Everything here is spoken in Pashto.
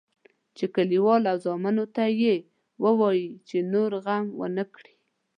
چې کلیوال او زامنو ته یې ووایي چې نور غم ونه کړي.